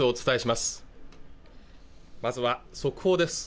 まずは速報です